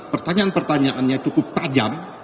pertanyaan pertanyaannya cukup tajam